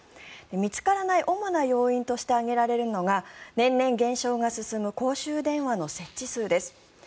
見つからない主な要因として挙げられるのが年々減少が進む公衆電話の設置数です。